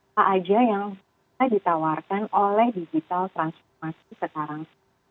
apa aja yang kita ditawarkan oleh digital transformation sekarang